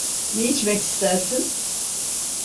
Ne içmek istersin?